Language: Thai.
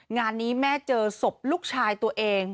งานนี้แม่เจอศพลูกชายตัวเอง